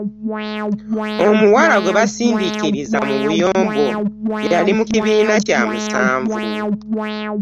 Omuwala gwe baasiindiikiriza mu buyombo yali mu kibiina kya musanvu.